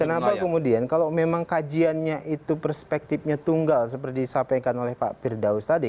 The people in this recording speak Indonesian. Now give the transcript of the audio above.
kenapa kemudian kalau memang kajiannya itu perspektifnya tunggal seperti disampaikan oleh pak firdaus tadi